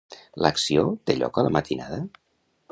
L'acció té lloc a la matinada?